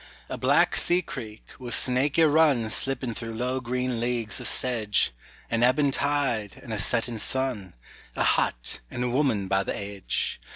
A black sea creek, with snaky run Slipping through low green leagues of sedge, An ebbing tide, and a setting sun; A hut and a woman by the edge.